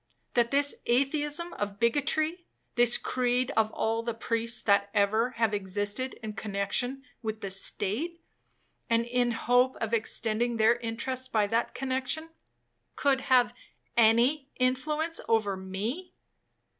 —that this atheism of bigotry,—this creed of all the priests that ever have existed in connexion with the state, and in hope of extending their interest by that connexion,—could have any influence over me?